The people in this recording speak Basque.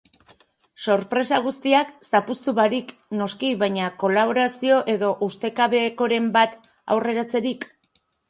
Sorpresa guztiak zapuztu barik, noski, baina kolaborazio edo ustekabekoren bat aurreratzerik?